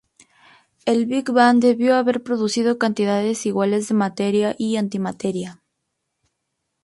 El Big Bang debió haber producido cantidades iguales de materia y antimateria.